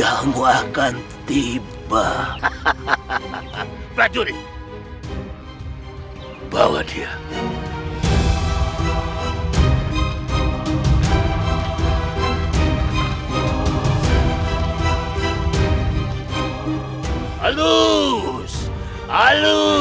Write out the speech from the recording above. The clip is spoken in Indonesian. awak tidak bisa bawa elu kini